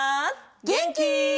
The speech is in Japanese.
げんき？